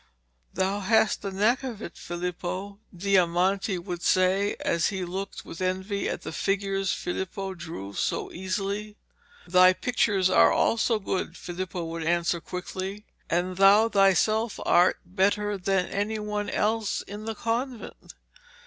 'Thou hast the knack of it, Filippo,' Diamante would say as he looked with envy at the figures Filippo drew so easily. 'Thy pictures are also good,' Filippo would answer quickly, 'and thou thyself art better than any one else in the convent.'